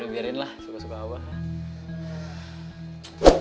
biarin lah suka suka allah